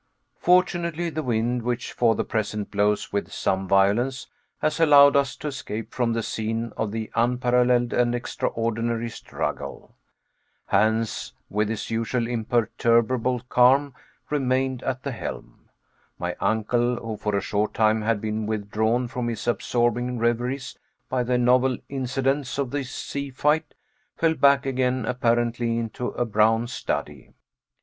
Fortunately the wind, which for the present blows with some violence, has allowed us to escape from the scene of the unparalleled and extraordinary struggle. Hans with his usual imperturbable calm remained at the helm. My uncle, who for a short time had been withdrawn from his absorbing reveries by the novel incidents of this sea fight, fell back again apparently into a brown study.